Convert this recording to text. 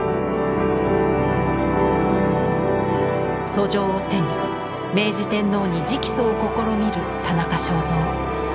訴状を手に明治天皇に直訴を試みる田中正造。